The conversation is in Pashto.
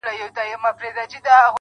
را سهید سوی، ساقي جانان دی.